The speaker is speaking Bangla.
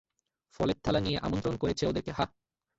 ফলের থালা নিয়ে আমন্ত্রণ করেছে ওদেরকে, হাহ?